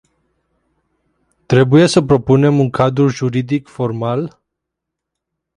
Trebuie să propunem un cadru juridic formal?